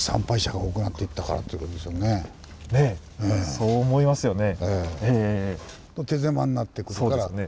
そう思いますよね。